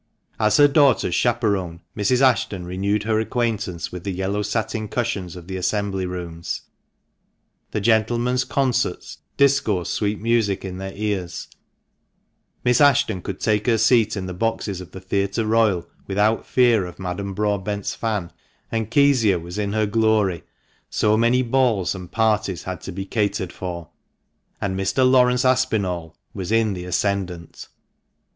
As her daughter's chaperon, Mrs. Ashton renewed her acquaint ance with the yellow satin cushions of the Assembly Rooms, the Gentlemen's Concerts discoursed sweet music in their ears, Miss Ashton could take her seat in the boxes of the Theatre Royal without fear of Madame Broadbent's fan, and Kezia was in her 382 TUB MANCHESTER MAN. glory, so many balls and parties had to be catered for ; and Mr. Laurence Aspinall was in the ascendant.